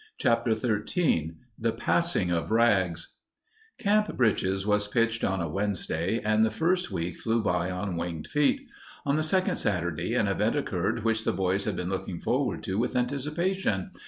CHAPTER XIII THE PASSING OF RAGS Camp Britches was pitched on a Wednesday, and the first week flew by on winged feet. On the second Saturday an event occurred which the boys had been looking forward to with anticipation.